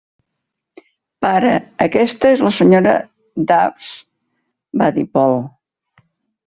"Pare, aquesta és la Sra. Dawes", va dir Paul.